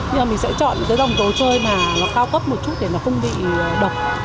nhưng mà mình sẽ chọn cái đồng đồ chơi mà nó cao cấp một chút để nó không bị độc